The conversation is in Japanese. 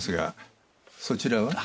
そちらは？